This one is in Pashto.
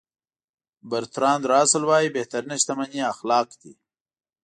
برتراند راسل وایي بهترینه شتمني اخلاق دي.